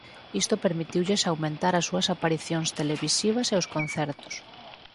Isto permitiulles aumentar as súas aparición televisivas e os concertos.